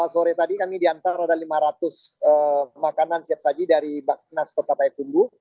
sore tadi kami diantar ada lima ratus makanan siap saji dari baknas kota payakumbu